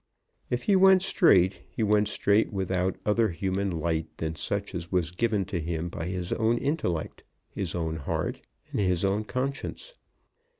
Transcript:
If he went straight, he went straight without other human light than such as was given to him by his own intellect, his own heart, and his own conscience.